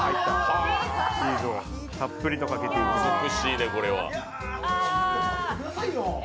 たっぷりとかけていきます。